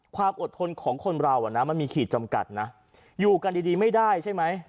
ความอดทนของคนเราอ่ะนะมันมีขีดจำกัดนะอยู่กันดีไม่ได้ใช่ไหม